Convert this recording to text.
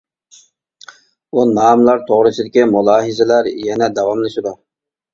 بۇ ناملار توغرىسىدىكى مۇلاھىزىلەر يەنە داۋاملىشىدۇ.